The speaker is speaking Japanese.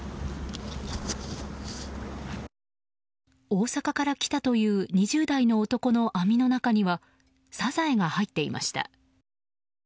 大阪から来たという２０代の男の網の中にはサザエが入っていました。